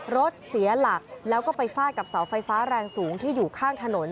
รถเสียหลักแล้วก็ไปฟาดกับเสาไฟฟ้าแรงสูงที่อยู่ข้างถนน